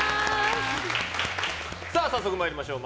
早速参りましょう。